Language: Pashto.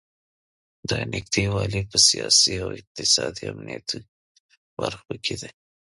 دا نږدې والی په سیاسي، اقتصادي او امنیتي برخو کې دی.